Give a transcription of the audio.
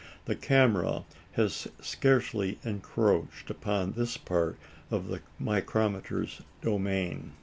The camera has scarcely encroached upon this part of the micrometer's domain.